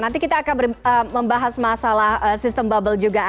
nanti kita akan membahas masalah sistem bubble juga